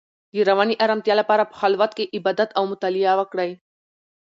د رواني ارامتیا لپاره په خلوت کې عبادت او مطالعه وکړئ.